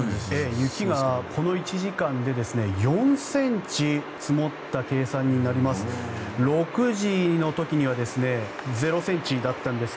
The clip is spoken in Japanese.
雪がこの１時間で４ｃｍ積もった計算になります。